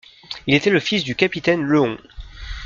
Il était le fils du capitaine Le Hon.